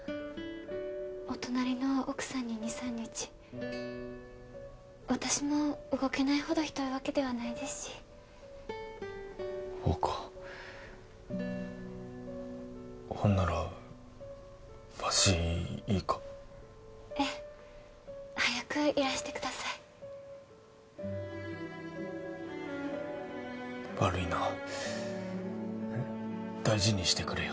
お隣の奥さんに２３日私も動けないほどひどいわけではないですしほうかほんならわしいいか？ええ早くいらしてください悪いな大事にしてくれよ